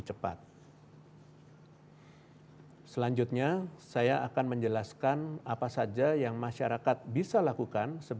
upaya yang pemerintah lakukan